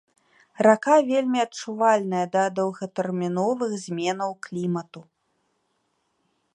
Рака вельмі адчувальная да доўгатэрміновых зменаў клімату.